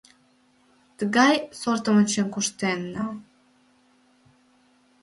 — Тыгай сортым ончен куштенна!